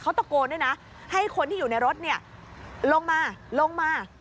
เขาตะโกนด้วยนะให้คนที่อยู่ในรถลงมาลงมา